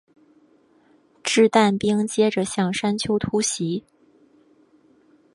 掷弹兵接着向山丘突袭。